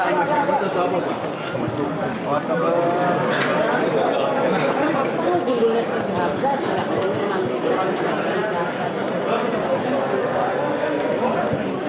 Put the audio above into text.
itu gunungnya sederhana tidak mungkin nanti diperbincangkan